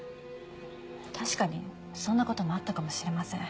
確かにそんな事もあったかもしれません。